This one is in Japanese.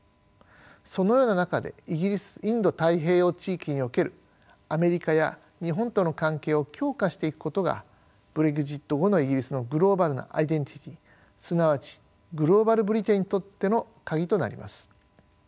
そのような中でイギリスインド太平洋地域におけるアメリカや日本との関係を強化していくことがブレグジット後のイギリスのグローバルなアイデンティティーすなわちグローバル・ブリテンにとっての鍵となります。